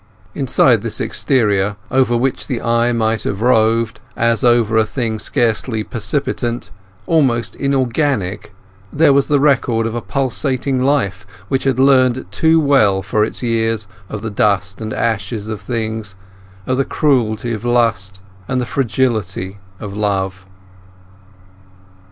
Inside this exterior, over which the eye might have roved as over a thing scarcely percipient, almost inorganic, there was the record of a pulsing life which had learnt too well, for its years, of the dust and ashes of things, of the cruelty of lust and the fragility of love.